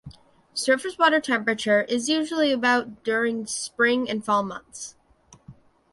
Surface water temperature is usually about during spring and fall months.